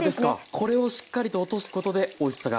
これをしっかりと落とすことでおいしさが。